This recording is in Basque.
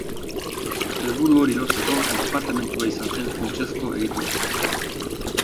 Helburu hori lortzeko departamendua izan zen funtsezko egitura.